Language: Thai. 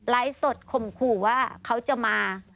สดข่มขู่ว่าเขาจะมา